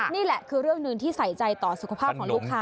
นี่แหละคือเรื่องหนึ่งที่ใส่ใจต่อสุขภาพของลูกค้า